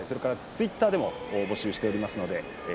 ツイッターでも募集しています。